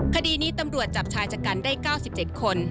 คดีนี้ตำรวจจับชายชะกันได้๙๗คน